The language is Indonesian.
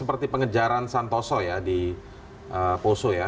seperti pengejaran santoso ya di poso ya